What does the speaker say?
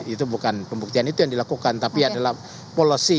itu bukan pembuktian itu yang dilakukan tapi adalah policy